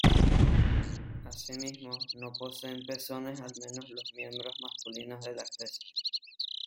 Así mismo, no poseen pezones, al menos los miembros masculinos de la especie.